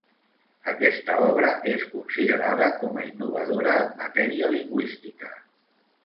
Aquesta obra és considerada com a innovadora en matèria lingüística.